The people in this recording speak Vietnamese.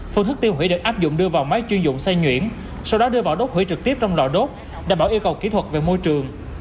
phương thức tiêu hủy được áp dụng đưa vào máy chuyên dụng say nhuyễn sau đó đưa vào đốt hủy trực tiếp trong lò đốt đảm bảo yêu cầu kỹ thuật về môi trường